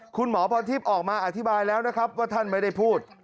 คุณหมอพรทิพย์ออกมาอธิบายแล้วนะครับว่าท่านไม่ได้พูด